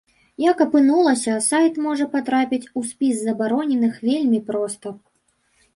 Як апынулася, сайт можа патрапіць у спіс забароненых вельмі проста.